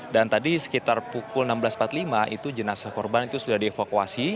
dan tadi sekitar pukul enam belas empat puluh lima itu jenazah korban itu sudah dievakuasi